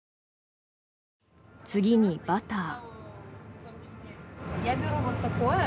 次にバター。